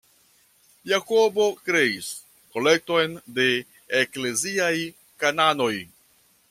Jakobo kreis "kolekton de ekleziaj kanonoj".